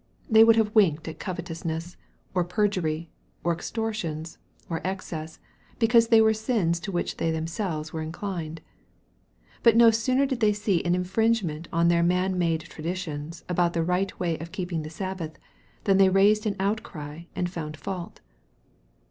They would have winked at covetousness, or perjury, or extortions, or excess, because they were Bins to which they themselves were inclined. But no sooner did they see an infringement on their man made traditions about the right way of keeping the Sabbath, than they raised an outcry, and found fault.